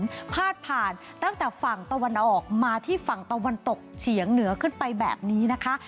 พาดผ่านตั้งแต่ฝั่งตะวันออกมาที่ฝั่งตะวันตกเฉียงเหนือขึ้นไปแบบนี้นะคะ